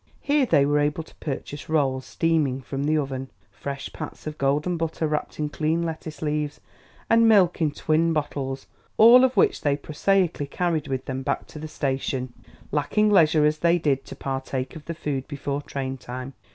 Here they were able to purchase rolls steaming from the oven, fresh pats of golden butter wrapped in clean lettuce leaves, and milk in twin bottles; all of which they prosaically carried with them back to the station, lacking leisure as they did to partake of the food before train time.